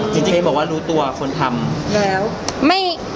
จริงเลยบอกว่ารู้ตัวคิดทำ